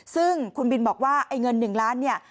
ซึ่งคุณบินบอกว่าไอ้เงิน๑ล้านเนี่ย